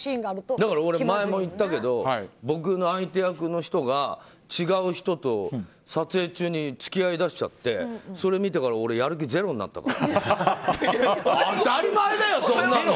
だから俺、前も言ったけど僕の相手役の人が違う人と撮影中に付き合い出しちゃってそれを見てから俺やる気ゼロになったから。